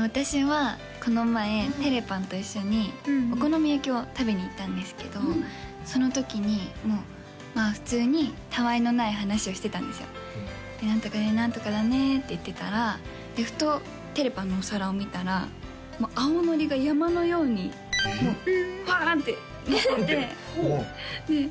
私はこの前てれぱんと一緒にお好み焼きを食べに行ったんですけどその時にも普通にたわいのない話をしてたんですよ何とかで何とかだねって言ってたらふとてれぱんのお皿を見たら青海苔が山のようにもうパーンッてのっててでえっ